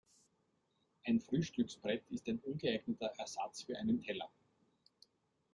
Ein Frühstücksbrett ist ein ungeeigneter Ersatz für einen Teller.